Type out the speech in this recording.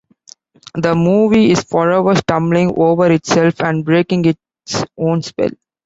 The movie is forever stumbling over itself and breaking its own spell.